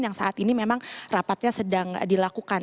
yang saat ini memang rapatnya sedang dilakukan